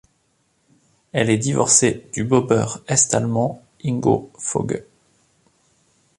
Elle est divorcée du bobeur est-allemand Ingo Voge.